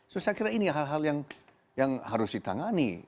saya kira ini hal hal yang harus ditangani